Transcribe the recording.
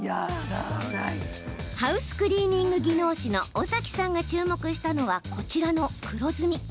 ハウスクリーニング技能士の尾崎さんが注目したのはこちらの黒ずみ。